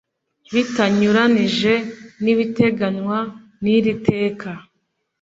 Bitanyuranyije n ibiteganywa niri teka